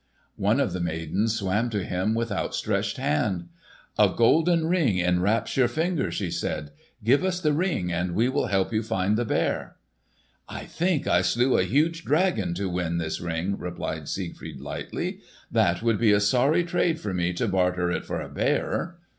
One of the maidens swam to him with outstretched hand. "A golden Ring enwraps your finger," she said. "Give us the Ring and we will help you find the bear." "I think I slew a huge dragon to win this Ring," replied Siegfried lightly. "That would be a sorry trade for me to barter it for a bear."